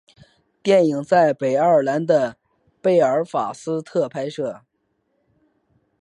电影在北爱尔兰的贝尔法斯特拍摄。